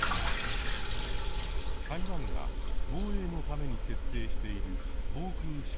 台湾が防衛のために設定している防空識別圏。